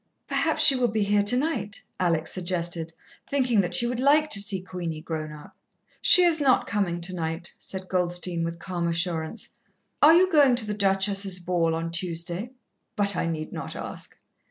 "Perhaps she will be here tonight," Alex suggested, thinking that she would like to see Queenie grown up. "She is not coming tonight," said Goldstein with calm assurance. "Are you going to the Duchess's ball on Tuesday? But I need not ask."